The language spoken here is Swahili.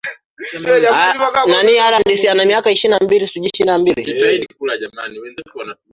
kuwa matokeo ya mabadiliko ya sinapti